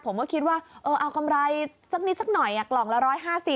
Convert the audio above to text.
ผมก็คิดว่าเอากำไรสักนิดสักหน่อยกล่องละ๑๕๐